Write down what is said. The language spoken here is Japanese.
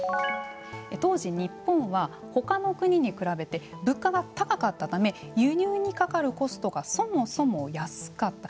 当時、日本はほかの国に比べて物価が高かったため輸入にかかるコストがそもそも安かった。